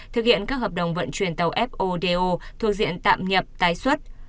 thực hiện các hợp đồng vận chuyển tàu fodo thuộc diện tạm nhập tái xuất